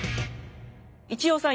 一葉さん